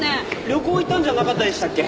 旅行行ったんじゃなかったでしたっけ？